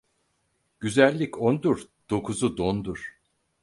Güzellik ondur, dokuzu dondur.